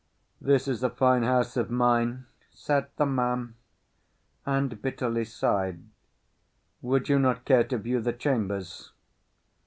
"This is a fine house of mine," said the man, and bitterly sighed. "Would you not care to view the chambers?"